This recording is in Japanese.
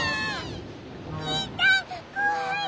にーたんこわい！